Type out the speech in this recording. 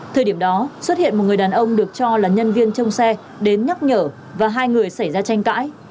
thời điểm đó xuất hiện một người đàn ông được cho là nhân viên trong xe đến nhắc nhở và hai người xảy ra tranh cãi